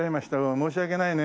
申し訳ないね。